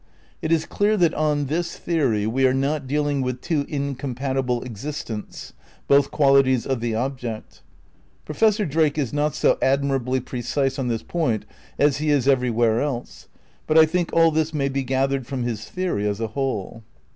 It is clear that on this theory we are not dealing with two incompatible existents, both qualities of the object. Professor Drake is not so admirably precise on this point as he is everywhere else; but I think all this may be gathered from his theory as a whole.